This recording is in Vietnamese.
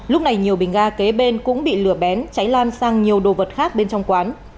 lúc này nhiều bình ga kế bên cũng bị lửa bén cháy lan sang nhiều đồ vật khác bên trong quán